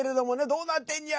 どうなってんや！